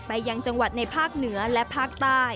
ยังจังหวัดในภาคเหนือและภาคใต้